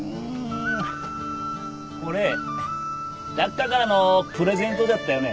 これ誰っかからのプレゼントじゃったよね。